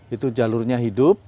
itu jalurnya hidup